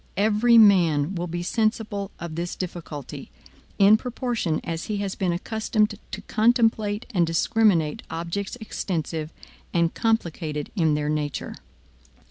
Every man will be sensible of this difficulty, in proportion as he has been accustomed to contemplate and discriminate objects extensive and complicated in their nature.